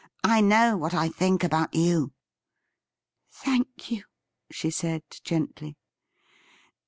' I know what I think about you.' ' Thank you,' she said gently.